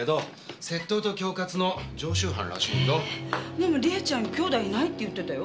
でも理恵ちゃん姉弟いないって言ってたよ。